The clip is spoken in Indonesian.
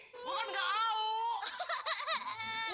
bukan gak mau